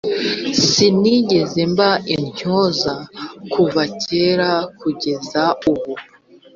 sinigeze mba intyoza kuva kera kugeza ubu